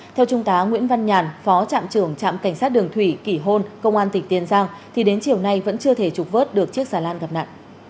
theo trung tá nguyễn văn nhàn phó trạm trưởng trạm cảnh sát đường thủy kỷ hôn công an tỉnh tiền giang thì đến chiều nay vẫn chưa thể trục vớt được chiếc xà lan gặp nạn